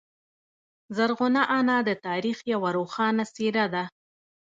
زرغونه انا د تاریخ یوه روښانه څیره ده.